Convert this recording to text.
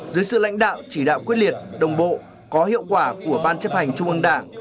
dưới sự lãnh đạo chỉ đạo quyết liệt đồng bộ có hiệu quả của ban chấp hành trung ương đảng